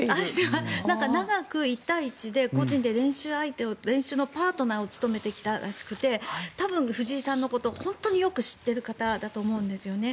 長く１対１で、個人で練習のパートナーを務めてきたらしくて多分、藤井さんのことを本当によく知ってる方だと思うんですね。